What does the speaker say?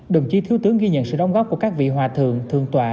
đồng chí thiếu tướng ghi nhận sự đóng góp của các vị hòa thượng thượng tọa